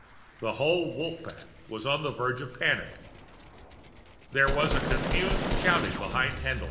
The whole Wolf pack was on the verge of panic. There was a confused shouting behind Haendl.